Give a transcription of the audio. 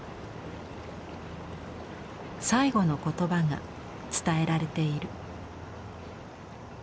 最期の言葉が伝えられている。